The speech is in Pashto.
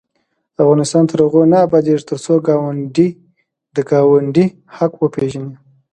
افغانستان تر هغو نه ابادیږي، ترڅو ګاونډي د ګاونډي حق وپيژني.